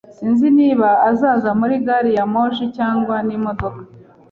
Sinzi niba azaza muri gari ya moshi cyangwa n'imodoka